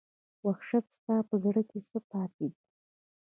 وحشته ستا په زړه کې څـه پاتې دي